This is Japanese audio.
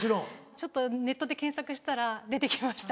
ちょっとネットで検索したら出て来ました。